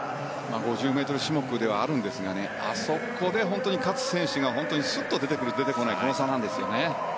５０ｍ種目ではあるんですがあそこで本当に勝つ選手がすっと出てくる、出てこないこの差なんですよね。